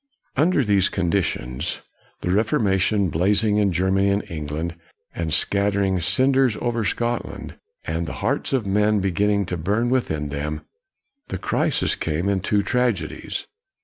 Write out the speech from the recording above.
Under these conditions, the Reformation blazing in Germany and England, and scattering cinders over Scotland, and the hearts of men beginning to burn within them, the crisis came in two tragedies.